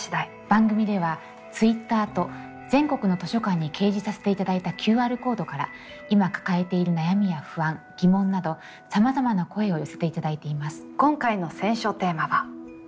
番組ではＴｗｉｔｔｅｒと全国の図書館に掲示させていただいたＱＲコードから今抱えている悩みや不安疑問などさまざまな声を寄せていただいています。